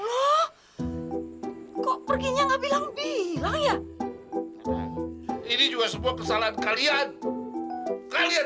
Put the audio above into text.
masya allah kok perginya enggak berjalan masya allah kok perginya enggak berjalan